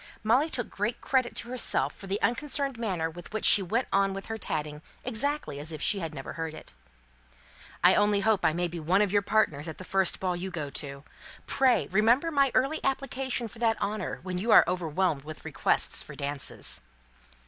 Molly took great credit to herself for the unconcerned manner with which she went on with her tatting exactly as if she had never heard it. "I only hope I may be one of your partners at the first ball you go to. Pray, remember my early application for that honour, when you are overwhelmed with requests for dances."